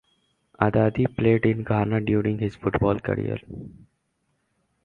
Addai played in Ghana during his football career.